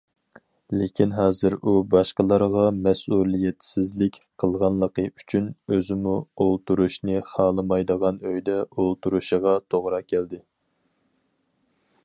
لېكىن ھازىر ئۇ باشقىلارغا مەسئۇلىيەتسىزلىك قىلغانلىقى ئۈچۈن، ئۆزىمۇ ئولتۇرۇشنى خالىمايدىغان ئۆيدە ئولتۇرۇشىغا توغرا كەلدى.